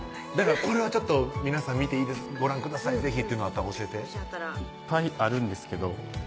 これは皆さんご覧ください是非っていうのあったら教えていっぱいあるんですけど